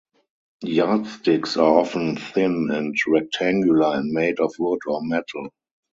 Yardsticks are often thin and rectangular, and made of wood or metal.